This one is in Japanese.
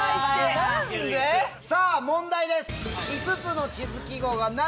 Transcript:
さぁ問題です。